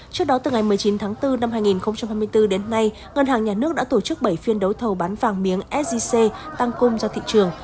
trước đó từ ngày một mươi chín tháng bốn năm hai nghìn hai mươi bốn đến nay ngân hàng nhà nước đã tổ chức bảy phiên đấu thầu bán vàng miếng sgc tăng cung ra thị trường